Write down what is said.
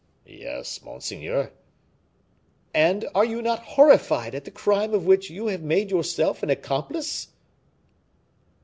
"Yes, monseigneur." "And are you not horrified at the crime of which you have made yourself an accomplice?"